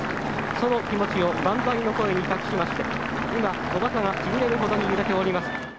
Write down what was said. その気持ちを万歳の声に託しまして今小旗がちぎれるほどに揺れております」。